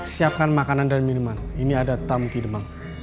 siapkan makanan dan minuman ini ada tamu ki demang